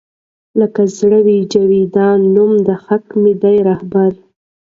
لــــــــــکه زړه وي جـــاویــــدان نــــوم د حــــق مو دی رهـــــــــبر